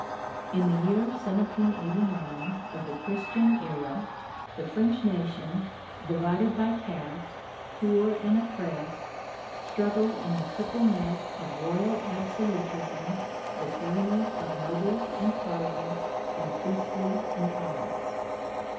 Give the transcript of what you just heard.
In the year 1789 of the Christian era, the French nation, divided by caste, poor and oppressed, struggled in the triple net of royal absolutism, the tyranny of nobles and parliaments, and priestly intolerance.